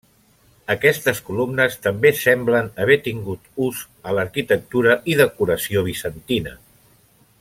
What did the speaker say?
Aquestes columnes també semblen haver tingut ús a l'arquitectura i decoració bizantina.